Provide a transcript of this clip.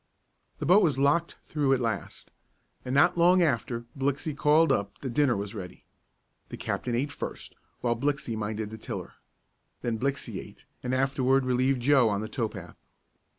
The boat was "locked through" at last, and not long after Blixey called up that dinner was ready. The captain ate first, while Blixey minded the tiller. Then Blixey ate, and afterward relieved Joe on the tow path.